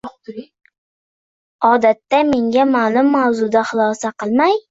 Odatda menga ma’lum mavzuda xulosa qilmay